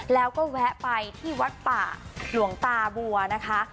แล้วก็แวะไปที่วัดป่าหลวงตาบัวนะคะ